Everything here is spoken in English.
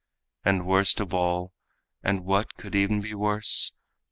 And worst of all and what could e'en be worse?